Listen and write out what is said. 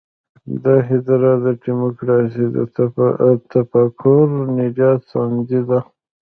دا هدیره د ډیموکراسۍ د تفکر د نجات ساندې ده.